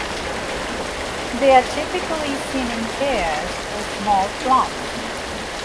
They are typically seen in pairs or small flocks.